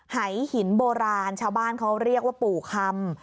หินโบราณชาวบ้านเขาเรียกว่าปู่คำ